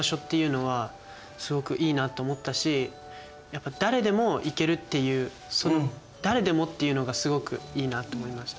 やっぱ誰でも行けるっていうその「誰でも」っていうのがすごくいいなと思いました。